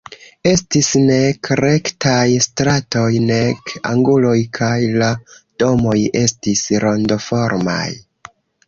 Estis nek rektaj stratoj nek anguloj kaj la domoj estis rondoformaj.